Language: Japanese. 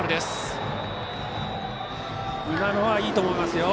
今のは、いいと思います